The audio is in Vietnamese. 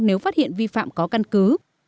nếu phát hiện vi phạm có căn cứ